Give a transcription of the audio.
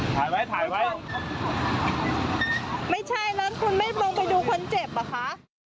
ถ่ายไว้ถ่ายไว้ไม่ใช่แล้วคุณไม่ลงไปดูคนเจ็บเหรอคะ